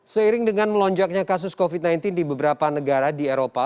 seiring dengan melonjaknya kasus covid sembilan belas di beberapa negara di eropa